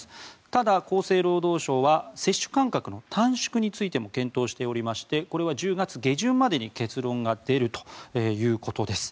ただ、厚生労働省は接種間隔の短縮についても検討しておりましてこれは１０月下旬までに結論が出るということです。